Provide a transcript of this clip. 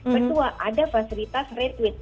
kedua ada fasilitas retweet